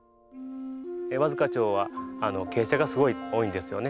和束町は傾斜がすごい多いんですよね。